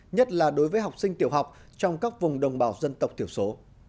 nhất là đối với học sinh tiểu học trong các vùng đồng bào dân tộc thiểu số